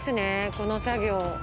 この作業。